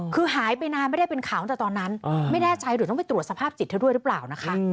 คือหายไปนานไม่ได้เป็นข่าวตั้งแต่ตอนนั้นไม่แน่ใจหรือต้องไปตรวจสภาพจิตเธอด้วยหรือเปล่านะคะ